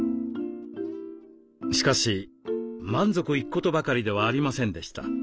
しかし満足いくことばかりではありませんでした。